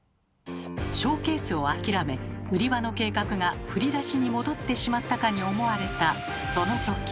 ショーケースを諦め売り場の計画が振り出しに戻ってしまったかに思われたそのとき。